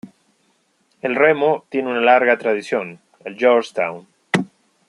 El remo tiene una larga tradición el Georgetown.